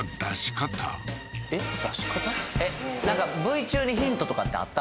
なんかＶ中にヒントとかってあった？